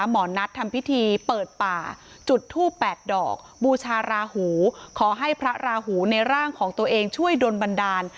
หมอนัททำพิธีเปิดป่าจุดทูปแปดดอกบูชาราหูขอให้พระราหูในร่างของตัวเองช่วยดนบันดาล